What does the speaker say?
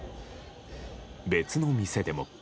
別の店でも。